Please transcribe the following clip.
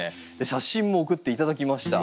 写真も送って頂きました。